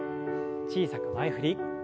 小さく前振り。